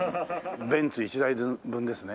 ベンツ１台分ですね。